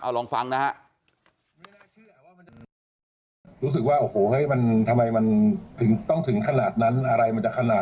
เอาลองฟังนะฮะ